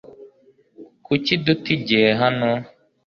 Kuki duta igihe hano?